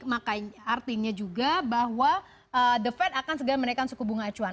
maka artinya juga bahwa the fed akan segera menaikkan suku bunga acuan